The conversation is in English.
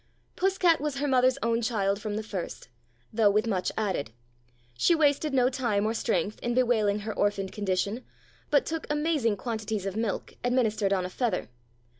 Puss cat was her mother's own child from the first, though with much added. She wasted no time or strength in bewailing her orphaned condition, but took amazing quantities of milk administered on a feather.